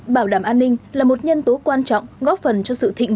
bảo đảm an ninh là một nhân tố quan trọng góp phần cho sự thịnh